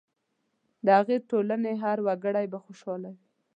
د هغې ټولنې هر وګړی به خوشاله وي.